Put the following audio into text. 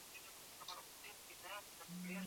Kuna uchafuzi wa mazingira hasa katika maeneo ya mijini